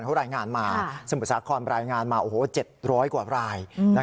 เขารายงานมาสมุทรสาครรายงานมา๗๐๐กว่าราย